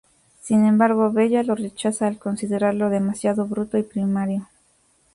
Sin embargo, Bella lo rechaza al considerarlo demasiado bruto y primario.